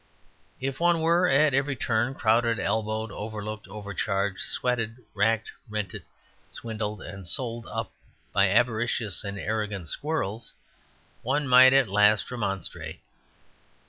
If one were at every turn crowded, elbowed, overlooked, overcharged, sweated, rack rented, swindled, and sold up by avaricious and arrogant squirrels, one might at last remonstrate.